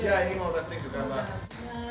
iya ini mau retik juga